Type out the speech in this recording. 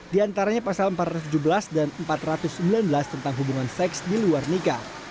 di antaranya pasal empat ratus tujuh belas dan empat ratus sembilan belas tentang hubungan seksual